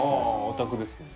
オタクですね。